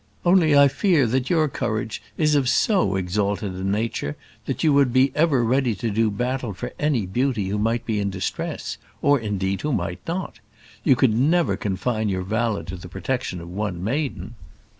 Only I fear that your courage is of so exalted a nature that you would be ever ready to do battle for any beauty who might be in distress or, indeed, who might not. You could never confine your valour to the protection of one maiden."